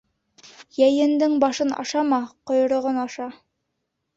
Йәйендең башын ашама, ҡойроғон аша.